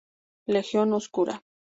Legión oscura.